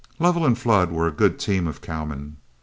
Lovell and Flood were a good team of cowmen.